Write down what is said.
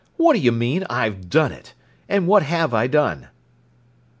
"What do you mean: I've done it? And what have I done?"